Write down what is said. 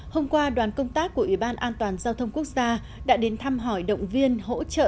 hôm qua đoàn công tác của ủy ban an toàn giao thông quốc gia đã đến thăm hỏi động viên hỗ trợ